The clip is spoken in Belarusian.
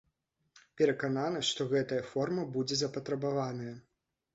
Перакананы, што гэтая форма будзе запатрабаваная.